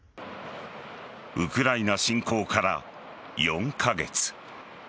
ウクライナ侵攻から４カ月。